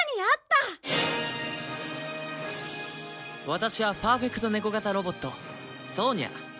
ワタシはパーフェクトネコ型ロボットソーニャ。